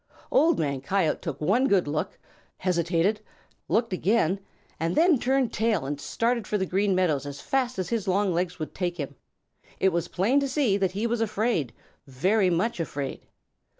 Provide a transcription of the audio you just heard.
Old Man Coyote took one good look, hesitated, looked again, and then turned tail and started for the Green Meadows as fast as his long legs would take him. It was plain to see that he was afraid, very much afraid.